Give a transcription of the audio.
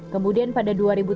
kemudian pada tahun dua ribu